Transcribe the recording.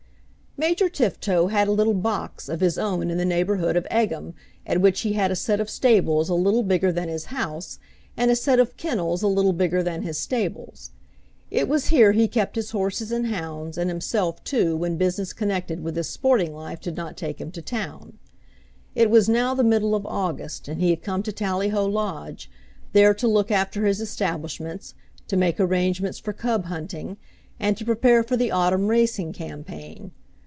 Major Tifto had a little "box" of his own in the neighbourhood of Egham, at which he had a set of stables a little bigger than his house, and a set of kennels a little bigger than his stables. It was here he kept his horses and hounds, and himself too when business connected with his sporting life did not take him to town. It was now the middle of August and he had come to Tally ho Lodge, there to look after his establishments, to make arrangements for cub hunting, and to prepare for the autumn racing campaign.